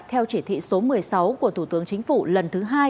theo chỉ thị số một mươi sáu của thủ tướng chính phủ lần thứ hai